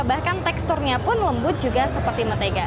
bahkan teksturnya pun lembut juga seperti mentega